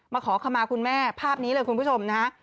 ขอขมาคุณแม่ภาพนี้เลยคุณผู้ชมนะฮะ